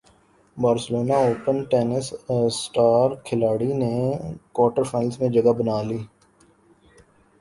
Barcelona open tennis star کھلاڑی نے quarter final میں جگہ بنا لی